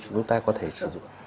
chúng ta có thể sử dụng